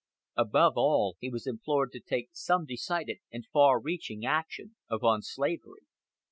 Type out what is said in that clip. Above all, he was implored to take some decided and far reaching action upon slavery.